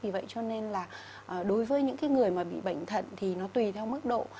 vì vậy cho nên là đối với những người mà bị bệnh thận thì nó tùy theo mức độ